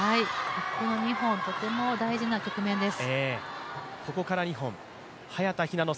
この２本、とても大事な局面です。